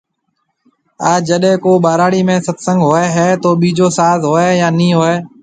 آج جڏي ڪو ٻھراڙي ۾ ست سنگ ھوئي ھيَََ تو ٻيجو ساز ھوئي يا ني ھوئي